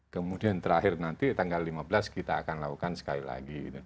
kemudian terakhir nanti tanggal lima belas kita akan lakukan sekali lagi